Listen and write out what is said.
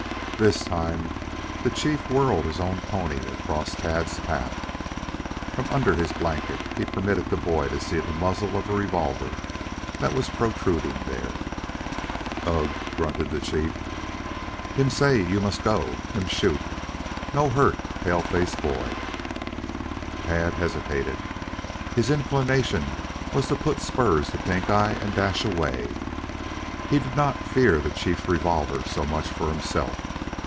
This time the chief whirled his own pony across Tad's path. From under his blanket, he permitted the boy to see the muzzle of a revolver that was protruding there. "Ugh!" grunted the chief. "Him say you must go. Him shoot! No hurt paleface boy." Tad hesitated. His inclination was to put spurs to Pink eye and dash away. He did not fear the chief's revolver so much for himself.